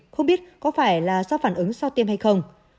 không biết có phải là do phản ứng sau tiêm hay không